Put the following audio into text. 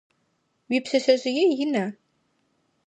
Уипшъэшъэжъые ина?